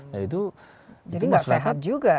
jadi tidak sehat juga